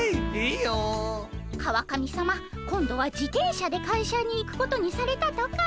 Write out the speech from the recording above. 川上さま今度は自転車で会社に行くことにされたとか。